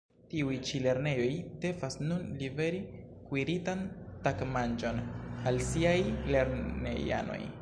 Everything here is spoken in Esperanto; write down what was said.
Tiuj ĉi lernejoj devas nun liveri kuiritan tagmanĝon al siaj lernejanoj.